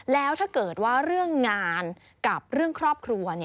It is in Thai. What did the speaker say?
แล้วถ้าเกิดว่าเรื่องงานกับเรื่องครอบครัว